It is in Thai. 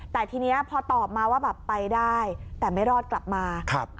แต่ทีนี้พอตอบมาว่าแบบไปได้แต่ไม่รอดกลับมา